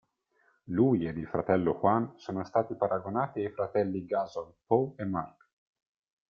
Lui ed il fratello Juan sono stati paragonati ai fratelli Gasol, Pau e Marc.